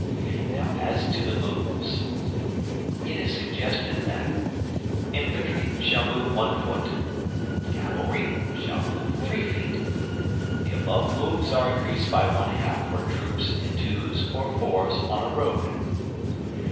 Now as to the Moves. It is suggested that: Infantry shall move one foot. Cavalry shall move three feet. The above moves are increased by one half for troops in twos or fours on a road.